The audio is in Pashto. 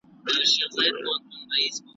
په لړمانو په مارانو کي به شپې تېروي .